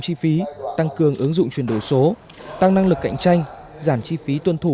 chi phí tăng cường ứng dụng chuyển đổi số tăng năng lực cạnh tranh giảm chi phí tuân thủ